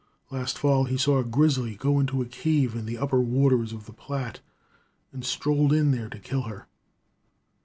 Last fall he saw a grizzly go into a cave in the upper waters of the Platte, and strolled in there to kill her.